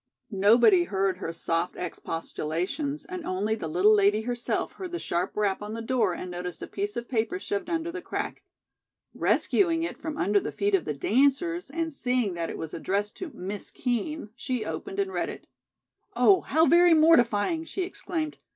Nobody heard her soft expostulations, and only the little lady herself heard the sharp rap on the door and noticed a piece of paper shoved under the crack. Rescuing it from under the feet of the dancers, and seeing that it was addressed to "Miss Kean," she opened and read it. "Oh, how very mortifying," she exclaimed.